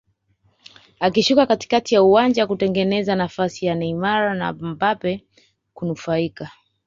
Akishuka katikati ya uwanja kunatengeza nafasi kwa Neymar na Mbappe kunufaika